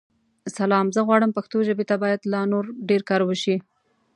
سلام؛ زه غواړم پښتو ژابې ته بايد لا نور ډير کار وشې.